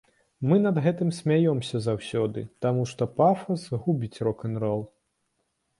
Мы над гэтым смяёмся заўсёды, таму што пафас губіць рок-н-рол.